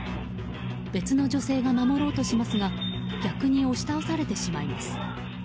別の女性が守ろうとしますが逆に押し倒されてしまいます。